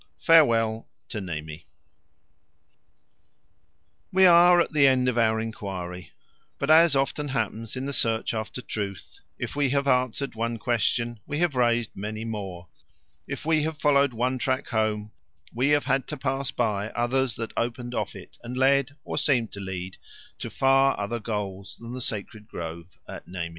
Farewell to Nemi WE are at the end of our enquiry, but as often happens in the search after truth, if we have answered one question, we have raised many more; if we have followed one track home, we have had to pass by others that opened off it and led, or seemed to lead, to far other goals than the sacred grove at Nemi.